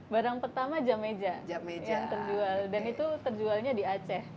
barang pertama jameja yang terjual dan itu terjualnya di aceh